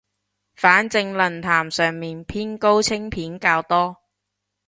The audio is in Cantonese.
反正論壇上面偏高清片較多